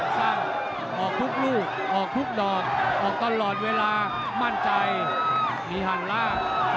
ออกทุกลูกออกทุกดอกออกตลอดเวลามั่นใจมีหันล่าง